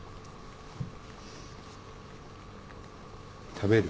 食べる？